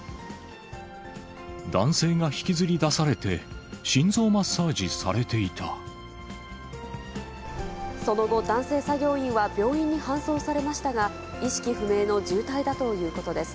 男性がひきずり出されて、その後、男性作業員は病院に搬送されましたが、意識不明の重体だということです。